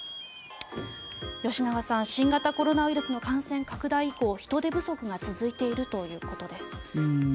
吉永さん、新型コロナウイルスの感染拡大以降人手不足が続いているということです。